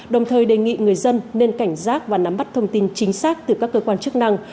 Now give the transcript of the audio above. đồng thời đề nghị người dân nên cảnh giác và nắm bắt thông tin chính xác từ các cơ quan chức năng